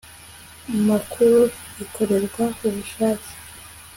makuru ikorerwa ubushake